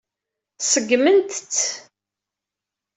Ṣeggment-t.